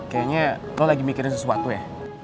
kayaknya lo lagi mikirin sesuatu ya